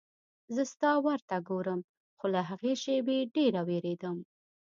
زه ستا ور ته ګورم خو له هغې شېبې ډېره وېرېدم.